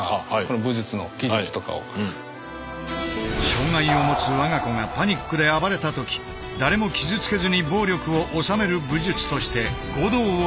障害をもつ我が子がパニックで暴れた時誰も傷つけずに暴力をおさめる武術として護道を創始。